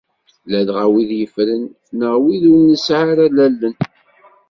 Ladɣa wid yeffren, neɣ wid ur nesɛi ara allalen.